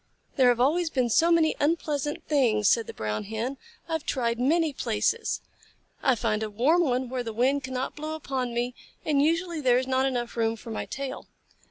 "There have always been so many unpleasant things," said the Brown Hen. "I have tried many places. I find a warm one where the wind cannot blow upon me, and usually there is not enough room for my tail.